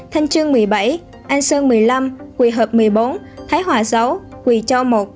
thanh trương một mươi bảy an sơn một mươi năm quỳ hợp một mươi bốn thái hòa sáu quỳ cho một